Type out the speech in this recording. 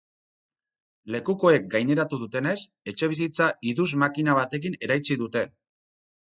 Lekukoek gaineratu dutenez, etxebizitza idus-makina batekin eraitsi dute.